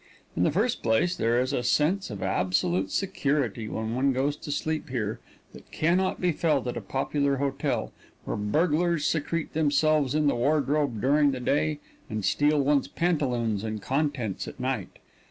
In the first place, there is a sense of absolute security when one goes to sleep here that can not be felt at a popular hotel, where burglars secrete themselves in the wardrobe during the day and steal one's pantaloons and contents at night.